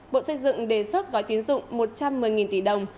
bộ xây dựng đề xuất gói tín dụng một trăm một mươi tỷ đồng